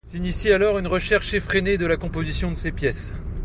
S'initie alors une recherche effrénée de la composition de ces pièces.